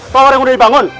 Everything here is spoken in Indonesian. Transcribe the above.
tower yang udah dibangun